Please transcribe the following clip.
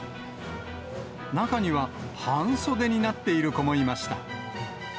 中には、半袖になっている子もいました。